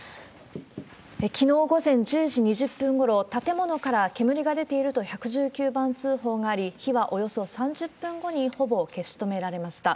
きのう午前１０時２０分ごろ、建物から煙が出ていると１１９番通報があり、火はおよそ３０分後にほぼ消し止められました。